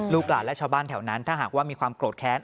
หลานและชาวบ้านแถวนั้นถ้าหากว่ามีความโกรธแค้น